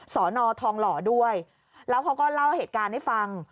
สอนอทองหล่อด้วยแล้วเขาก็เล่าเหตุการณ์ให้ฟัง